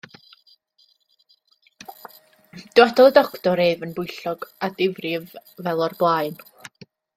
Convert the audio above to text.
Dywedodd y doctor ef yn bwyllog a difrif fel o'r blaen.